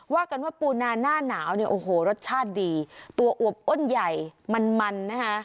ว่ากันว่าปูนาหน้าหนาวเนี่ยโอ้โหรสชาติดีตัวอวบอ้นใหญ่มันมันนะคะ